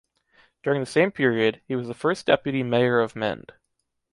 During the same period, he was the first deputy Mayor of Mende.